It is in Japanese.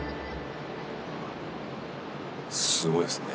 すごいですね。